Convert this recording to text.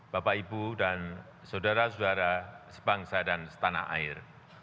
bapak ibu dan saudara saudara sebangsa dan setanah air